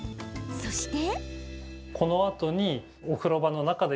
そして。